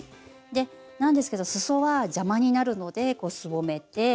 でなんですけどすそは邪魔になるのですぼめて。